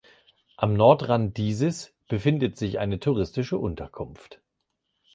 Am Nordrand dieses befindet sich eine touristische Unterkunft.